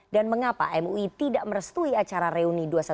dan mengapa mui tidak merestui acara reuni dua ratus dua belas